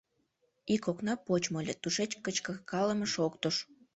Ик окна почмо ыле, тушеч кычкыркалыме шоктыш.